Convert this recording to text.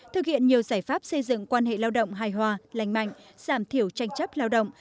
thực hiện nhiều giải pháp xây dựng quan hệ lao động hài hòa lành mạnh giảm thiểu tranh chấp lao động